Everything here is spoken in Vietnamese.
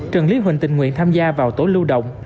trần lý huỳnh tình nguyện tham gia vào tổ lưu động